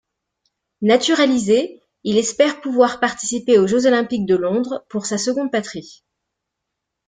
Naturalisé, il espère pouvoir participer aux Jeux olympiques de Londres pour sa seconde patrie.